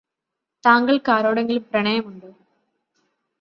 താങ്കൾക്ക് ആരോടെങ്കിലും പ്രണയമുണ്ടോ?